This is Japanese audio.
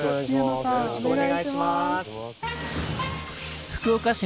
よろしくお願いします。